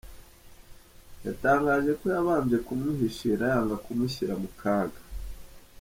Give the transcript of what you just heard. Yatangaje ko yabanje kumuhishira yanga kumushyira mu kaga.